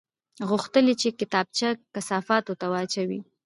غوښتل یې چې کتابچه کثافاتو ته واچوي